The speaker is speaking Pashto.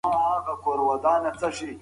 وسلې باید په ګودامونو کي وي.